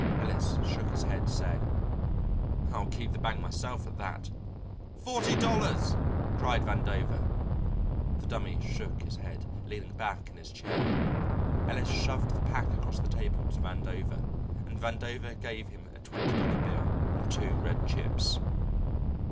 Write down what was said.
Ellis shook his head saying, "I'll keep the bank myself at that." "Forty dollars!" cried Vandover. The Dummy shook his head, leaning back in his chair. Ellis shoved the pack across the table to Vandover, and Vandover gave him a twenty dollar bill and two red chips.